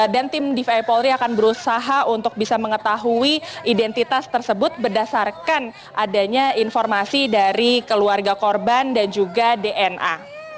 dan tim divi polri akan berusaha untuk bisa mengetahui identitas tersebut berdasarkan adanya informasi dari keluarga korban dan juga dna